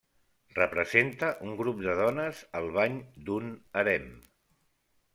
Representa un grup de dones al bany d'un harem.